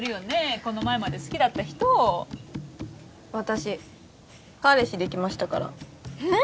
この前まで好きだった人を私彼氏できましたからえっ！